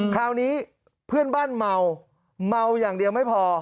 คราวนี้เพื่อนบ้านเมาเมาอย่างเดียวไม่พอ